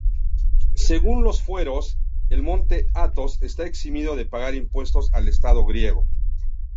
Según los fueros, el Monte Athos está eximido de pagar impuestos al Estado griego.